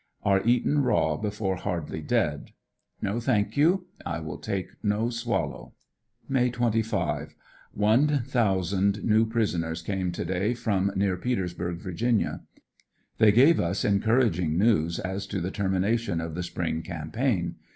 Are eaten raw before hardly dead. No, thank you, I will take no swallow. May 25. — One thousand new prisoners came to day from near Petersburg, Va. They give us encouraging news as to the termi nation of the spring campaign.